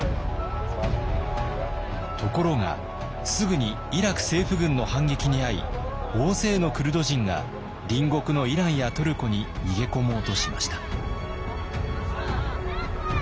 ところがすぐにイラク政府軍の反撃に遭い大勢のクルド人が隣国のイランやトルコに逃げ込もうとしました。